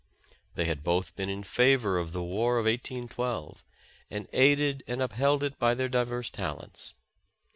They had both been in favor of the War of 1812, and aided and upheld it by their diverse talents.